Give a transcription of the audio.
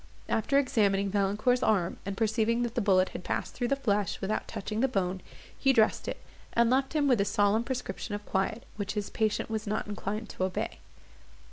After examining Valancourt's arm, and perceiving that the bullet had passed through the flesh without touching the bone, he dressed it, and left him with a solemn prescription of quiet, which his patient was not inclined to obey.